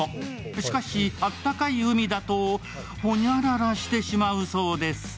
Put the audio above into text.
しかし、あったかい海だとホニャララしてしまうそうです。